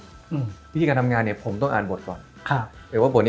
ในพิธีการทำงานเนี่ยผมต้องอ่านบทก่อน